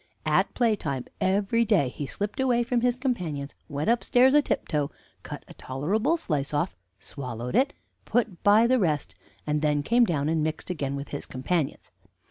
At playtime every day he slipped away from his companions, went upstairs a tiptoe, cut a tolerable slice off, swallowed it, put by the rest, and then came down and mixed again with his companions.